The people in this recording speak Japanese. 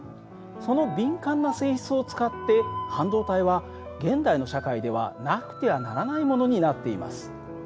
その敏感な性質を使って半導体は現代の社会ではなくてはならないものになっています。